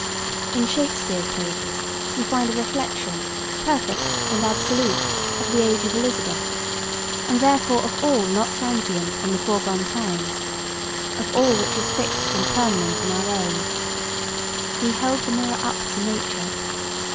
In Shakespeare's pages we find a reflection, perfect and absolute, of the age of Elizabeth, and therefore of all not transient in the foregone times, of all which is fixed and permanent in our own. He "held the mirror up to Nature."